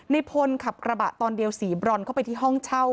ในพลขับกระบะตอนเดียวสีบรอนเข้าไปที่ห้องเช่า